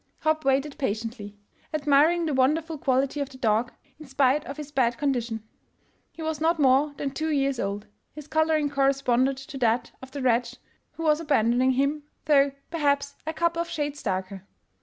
Hopp waited patiently, admiring the won derful quality of the dog, in spite of his bad condition. He was not more than two years old; his coloring cor responded to that of the wretch who was abandoning him, though perhaps a couple of shades darker.